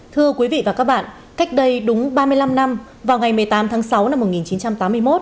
thưa quý vị và các bạn cách đây đúng ba mươi năm năm vào ngày một mươi tám tháng sáu năm hai nghìn một mươi chín